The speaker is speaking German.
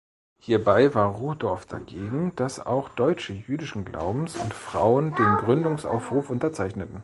Hierbei war Rudorff dagegen, dass auch Deutsche jüdischen Glaubens und Frauen den Gründungsaufruf unterzeichneten.